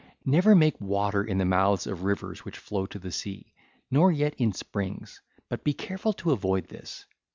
Never make water in the mouths of rivers which flow to the sea, nor yet in springs; but be careful to avoid this.